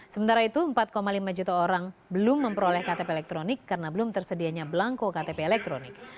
sementara itu empat lima juta orang belum memperoleh ktp elektronik karena belum tersedianya belangko ktp elektronik